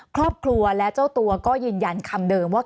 ครอบครัวและเจ้าตัวก็ยืนยันคำเดิมว่า